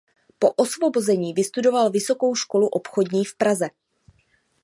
Po osvobození vystudoval Vysokou školu obchodní v Praze.